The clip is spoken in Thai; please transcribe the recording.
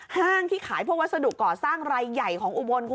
ห้างที่ขายพวกวัสดุก่อสร้างไร่ใหญ่ของอุบันคุณผู้ชมครับ